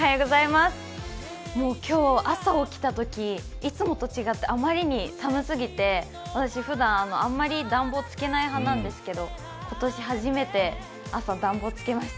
もう今日、朝起きたときいつもと違ってあまりにも寒すぎてふだんあんまり暖房をつけない派なんですけど今年初めて朝、暖房つけました。